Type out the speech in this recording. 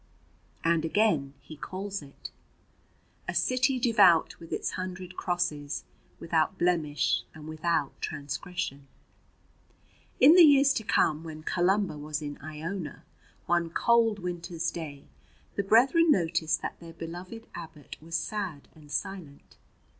And again he calls it: A city devout with its hundred crosses, Without blemish and without transgression. In the years to come, when Columba was in Iona, one cold winter's day the brethren noticed that their beloved abbot was sad and silent.